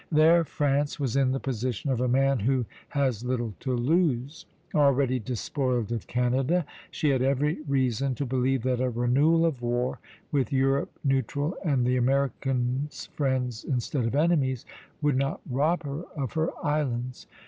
There France was in the position of a man who has little to lose. Already despoiled of Canada, she had every reason to believe that a renewal of war, with Europe neutral and the Americans friends instead of enemies, would not rob her of her islands.